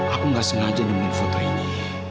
aku nggak sengaja nemuin foto ini